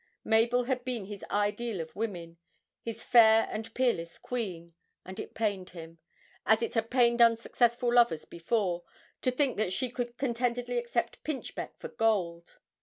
Mabel had been his ideal of women, his fair and peerless queen, and it pained him as it has pained unsuccessful lovers before to think that she could contentedly accept pinchbeck for gold.